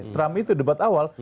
trump itu debat awal